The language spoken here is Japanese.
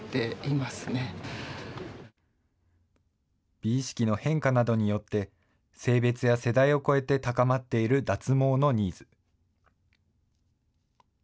美意識の変化などによって、性別や世代を超えて高まっている脱毛のニーズ。